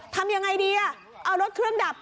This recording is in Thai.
ทำยังไงดีเอารถเครื่องดับ